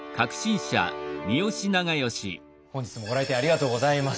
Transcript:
本日もご来店ありがとうございます。